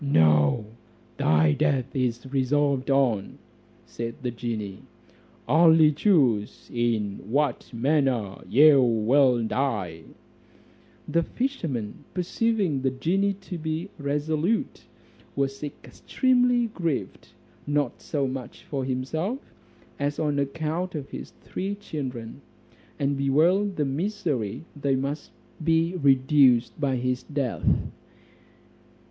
"No, thy death is resolved on," said the genie, "only choose in what manner you will die." The fisherman perceiving the genie to be resolute, was extremely grieved, not so much for himself, as on account of his three children; and bewailed the misery they must be reduced to by his death.